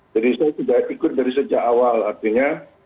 jadi saya sudah ikut dari sejak awal artinya